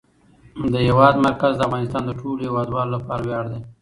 د هېواد مرکز د افغانستان د ټولو هیوادوالو لپاره ویاړ دی.